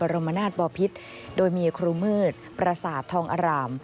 โรมนาตบ่อพิษโดยเมียครูเมือดประสาททองอร่าม